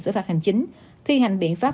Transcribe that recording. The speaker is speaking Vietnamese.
sử phạt hành chính thi hành biện pháp